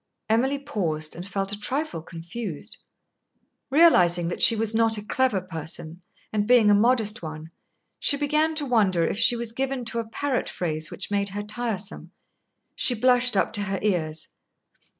Emily paused and felt a trifle confused. Realising that she was not a clever person, and being a modest one, she began to wonder if she was given to a parrot phrase which made her tiresome. She blushed up to her ears.